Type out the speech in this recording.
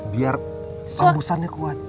biar pembosannya kuat